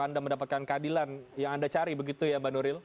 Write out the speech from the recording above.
anda mendapatkan keadilan yang anda cari begitu ya mbak nuril